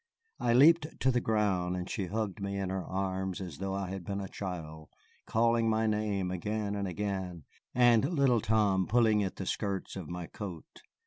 I leaped to the ground, and she hugged me in her arms as though I had been a child, calling my name again and again, and little Tom pulling at the skirts of my coat.